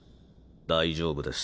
大丈夫です。